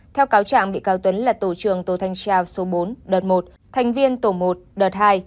theo cáo trạng bị cáo tuấn là tổ trưởng tổ thanh tra số bốn đợt một thành viên tổ một đợt hai